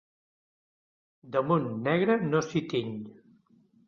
Damunt negre no s'hi tiny.